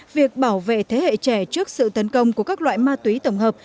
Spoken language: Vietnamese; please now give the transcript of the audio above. việc bảo vệ thế hệ trẻ trước sự tấn công của các loại ma túy tổng hợp